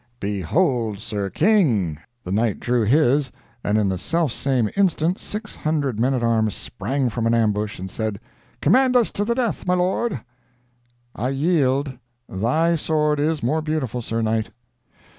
"Behold! Sir King!" The Knight drew his, and in the self same instant six hundred men at arms sprang from an ambush, and said: "Command us to the death, my lord!" "I yield. Thy sword is more beautiful, Sir Knight!"